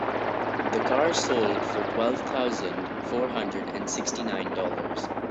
The car sold for twelve thousand four hundred and sixty nine dollars.